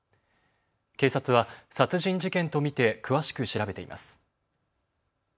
警察は殺人事件と見て詳しく調べています。